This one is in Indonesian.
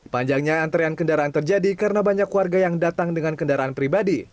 panjangnya antrean kendaraan terjadi karena banyak warga yang datang dengan kendaraan pribadi